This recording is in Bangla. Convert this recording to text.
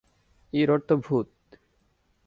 এর অর্থ ভূত।